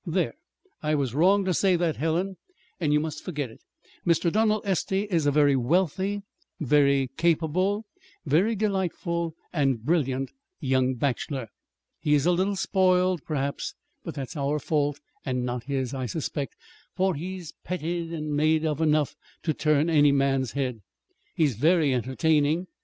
There! I was wrong to say that, Helen, and you must forget it. Mr. Donald Estey is a very wealthy, very capable, very delightful and brilliant young bachelor. He is a little spoiled, perhaps; but that's our fault and not his, I suspect, for he's petted and made of enough to turn any man's head. He's very entertaining.